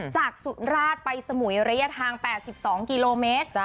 จากศูนย์ราชไปสมุยระยะทาง๘๒กิโลเมตร